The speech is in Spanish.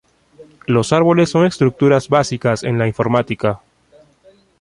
Los árboles son estructuras básicas en la informática.